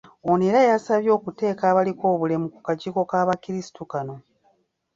Ono era yasabye okuteeka abaliko obulemu ku kakiiko k'abakrisitu kano.